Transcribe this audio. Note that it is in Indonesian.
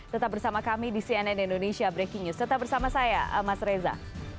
tetap bersama kami di cnn indonesia breaking news tetap bersama saya mas reza